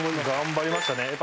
頑張りましたね。